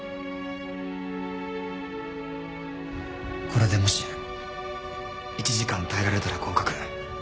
これでもし１時間耐えられたら合格。